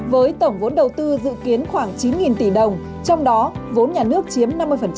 với tổng vốn đầu tư dự kiến khoảng chín tỷ đồng trong đó vốn nhà nước chiếm năm mươi